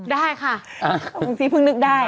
ได้ค่ะคุณฟรุ้งซีเพิ่งนึกได้